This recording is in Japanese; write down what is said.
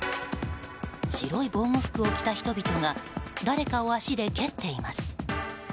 白い防護服を着た人々が誰かを足で蹴っています。